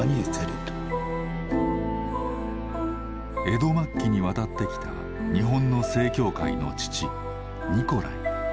江戸末期に渡ってきた日本の正教会の父ニコライ。